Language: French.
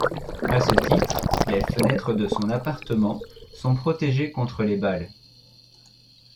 À ce titre, les fenêtres de son appartement sont protégées contre les balles.